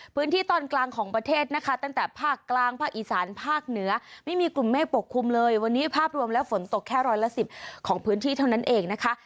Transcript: พื้นที่ตอนกลางของประเทศนะคะตั้งแต่ภาคกลางภาคอีสานภาคเหนือไม่มีกลุ่มเมฆปกคลุมเลยวันนี้ภาพรวมแล้วฝนตกแค่ร้อยละสิบของพื้นที่เท่านั้นเองนะคะ